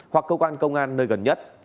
hoặc cơ quan công an nơi gần nhất